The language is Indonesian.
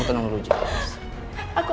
jangan setuju aku